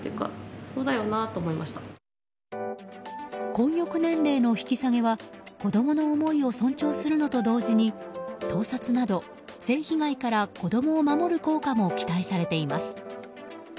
混浴年齢の引き下げは子供の思いを尊重するのと同時に盗撮など性被害から子供を守る効果も期待されています。